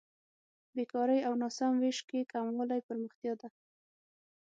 بېکارۍ او ناسم وېش کې کموالی پرمختیا ده.